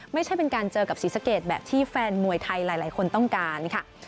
ไม่ใช่เป็นการเจอกับศรีสะเกดแบบที่แฟนมวยไทยหลายคนต้องการค่ะ